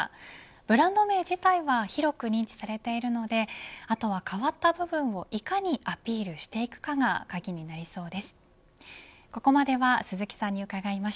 ブランド名自体は広く認知されているのであとは変わった部分をいかにアピールしていくかが鍵になりそうです。